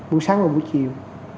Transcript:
buổi sáng và buổi chiều